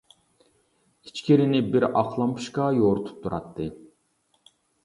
ئىچكىرىنى بىر ئاق لامپۇچكا يورۇتۇپ تۇراتتى.